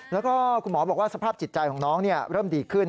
แล้วก็คุณหมอบอกว่าสภาพจิตใจของน้องเริ่มดีขึ้น